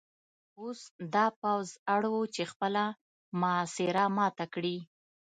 اوس دا پوځ اړ و چې خپله محاصره ماته کړي